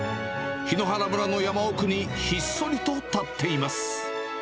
檜原村の山奥にひっそりと建っています。